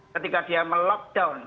ketika dia melockdown